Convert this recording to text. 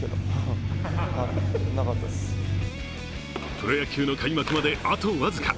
プロ野球の開幕まで、あと僅か。